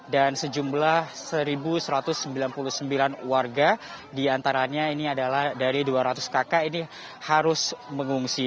dan sejumlah satu satu ratus sembilan puluh sembilan warga diantaranya ini adalah dari dua ratus kakak ini harus mengungsi